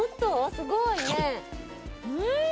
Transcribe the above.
すごいね。